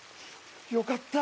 よかった！